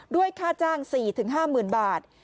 ด้วยค่าจ้าง๔๕หมื่นบาท